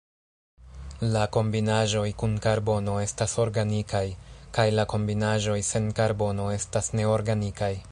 La kombinaĵoj kun karbono estas organikaj, kaj la kombinaĵoj sen karbono estas neorganikaj.